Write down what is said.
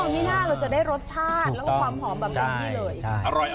อ๋อนี่น่าจะได้รสชาติและความหอมแบบนี้เลย